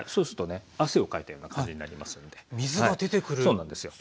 そうなんですよ。